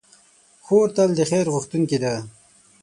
خور تل د خیر غوښتونکې ده.